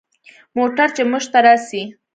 موټر چې موږ ته راسي.